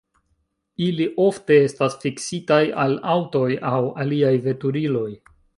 Ili ofte estas fiksitaj al aŭtoj aŭ aliaj veturiloj.